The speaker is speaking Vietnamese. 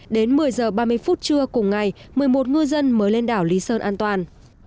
đến một mươi h ba mươi phút trưa cùng ngày một mươi một ngư dân mới lên đảo lý sơn an toàn